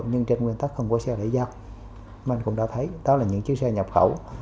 nhưng trên nguyên tắc không có xe để giao minh cũng đã thấy đó là những chiếc xe nhập khẩu